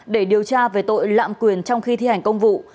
để điều tra về tội lạm quyền trong khi thi hành công vụ